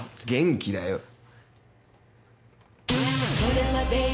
元気だよ。